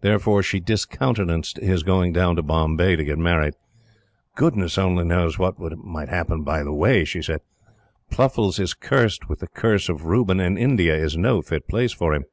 Therefore she discountenanced his going down to Bombay to get married. "Goodness only knows what might happen by the way!" she said. "Pluffles is cursed with the curse of Reuben, and India is no fit place for him!"